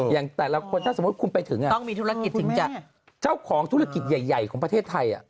อย่างแต่ละคนถ้าสมมุติคุณไปถึงช่าวของธุรกิจใหญ่ของประเทศไทย